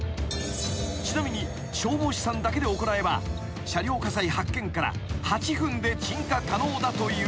［ちなみに消防士さんだけで行えば車両火災発見から８分で鎮火可能だというが］